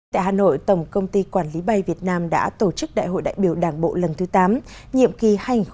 tại hà nội tổng công ty quản lý bay việt nam đã tổ chức đại hội đại biểu đảng bộ lần thứ tám nhiệm kỳ hai nghìn hai mươi hai nghìn hai mươi năm